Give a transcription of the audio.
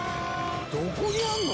どこにあるの？